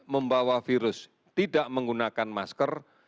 membawa virus tidak menggunakan masker